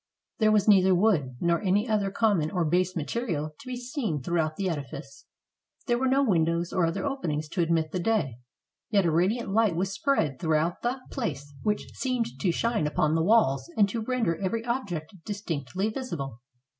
There was neither wood, nor any other com mon or base material to be seen throughout the edifice. There were no windows or other openings to admit the day, yet a radiant light was spread throughout the 438 KING RODERICK AND THE MAGIC TOWER place which seemed to shine upon the walls and to render every object distinctly visible.